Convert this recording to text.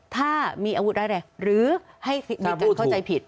ถ้ามีอาวุธอะไรหรือให้มีคนเข้าใจผิด